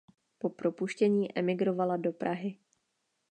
Po propuštění emigrovala do Prahy.